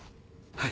はい。